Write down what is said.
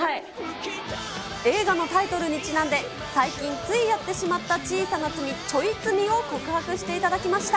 映画のタイトルにちなんで、最近ついやってしまった小さな罪、ちょい罪を告白していただきました。